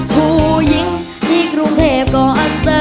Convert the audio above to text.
ผู้หญิงที่กรุงเทพก็อาจจะ